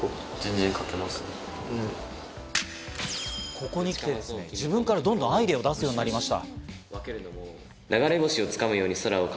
ここにきて自分からどんどんアイデアを出すようになりました。